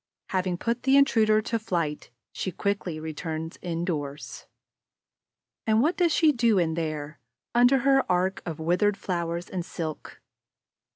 Having put the intruder to flight, she quickly returns indoors. And what does she do in there, under her arch of withered flowers and silk?